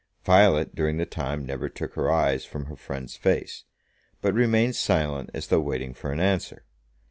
Violet during the time never took her eyes from her friend's face, but remained silent as though waiting for an answer.